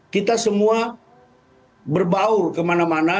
kita semua berbaur kemana mana